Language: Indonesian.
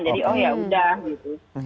jadi oh ya udah gitu